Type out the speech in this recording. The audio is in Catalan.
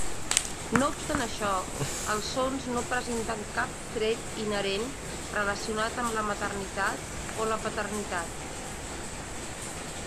No obstant això, els sons no presenten cap tret inherent relacionat amb la maternitat o la paternitat.